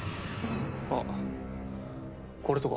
あっこれとか？